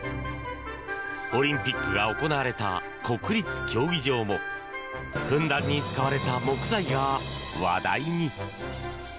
オリンピックが行われた国立競技場もふんだんに使われた木材が話題に。